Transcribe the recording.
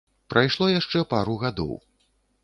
Прайшло яшчэ пару гадоў.